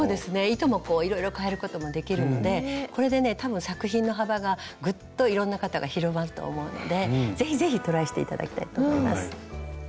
糸もいろいろ変えることもできるのでこれでね多分作品の幅がぐっといろんな方が広まると思うので是非是非トライして頂きたいと思います。